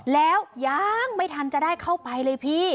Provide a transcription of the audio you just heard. แล้วยังไม่ทันจะได้เข้าไปเลยพี่